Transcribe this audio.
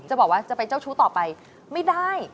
บอกว่าจะไปเจ้าชู้ต่อไปไม่ได้